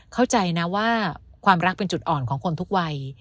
เข้าใจนะว่าความรักเป็นจุดอ่อนของคนทุกวัย